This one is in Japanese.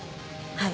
はい。